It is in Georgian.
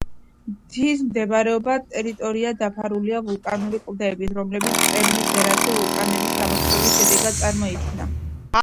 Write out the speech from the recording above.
მთის მიმდებარე ტერიტორია დაფარულია ვულკანური კლდეებით, რომლებიც პერმის ერაში, ვულკანების ამოფრქვევის შედეგად წარმოიქმნა.